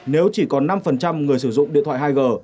nếu chỉ còn năm người sử dụng điện thoại hai g